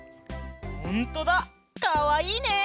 ほんとだかわいいね！